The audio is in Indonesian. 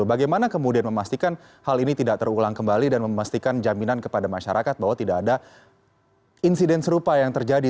bagaimana kemudian memastikan hal ini tidak terulang kembali dan memastikan jaminan kepada masyarakat bahwa tidak ada insiden serupa yang terjadi